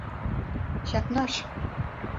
Чакнаш!